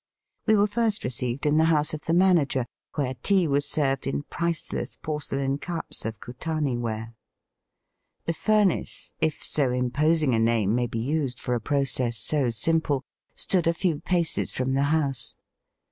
We were ^st received in the house of the manager, where tea was served in priceless porcelain cups of Kutani ware. The furnace, if so im posing a name may be used for a process so Digitized by VjOOQIC DINING AND CREMATING. 9 simple, stood a few paces from the house.